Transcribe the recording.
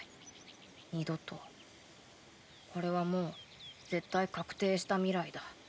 これはもう絶対確定した未来だ。